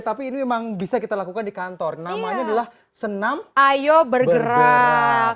tapi ini memang bisa kita lakukan di kantor namanya adalah senam ayo bergerak